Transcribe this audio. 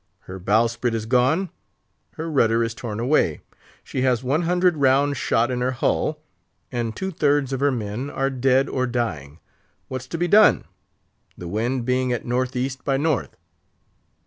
Her bowsprit is gone; her rudder is torn away; she has one hundred round shot in her hull, and two thirds of her men are dead or dying. What's to be done? the wind being at northeast by north?"